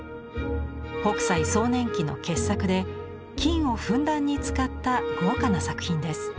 北斎壮年期の傑作で金をふんだんに使った豪華な作品です。